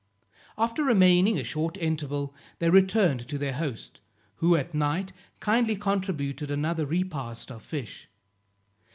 After remaining a short interval they returned to their host, who at night kindly contributed another repast of fish.